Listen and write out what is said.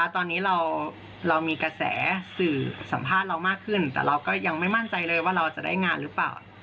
ตอนนี้เรามีกระแสสื่อสัมภาษณ์เรามากขึ้นแต่เราก็ยังไม่มั่นใจเลยว่าเราจะได้งานหรือเปล่า